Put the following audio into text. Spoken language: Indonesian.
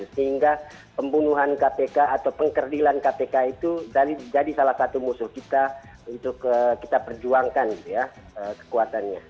sehingga pembunuhan kpk atau pengkerdilan kpk itu jadi salah satu musuh kita untuk kita perjuangkan kekuatannya